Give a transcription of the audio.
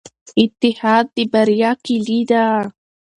اتحاد د بریا کیلي ده.